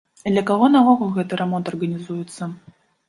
І для каго наогул гэты рамонт арганізуецца?